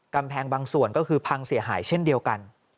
กำแพงบางส่วนก็คือพังเสียหายเช่นเดียวกัน